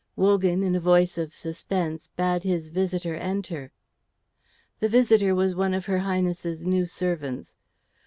Wogan in a voice of suspense bade his visitor enter. The visitor was one of her Highness's new servants.